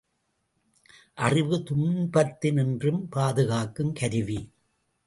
அறிவு துன்பத்தினின்றும் பாதுகாக்கும் கருவி.